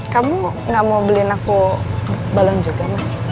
kamu gak mau beliin aku balon juga mas